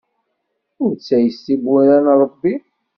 Ur ttayes tibbura n Ṛebbi!